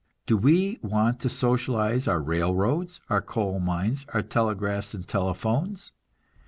Do we want to socialize our railroads, our coal mines, our telegraphs and telephones?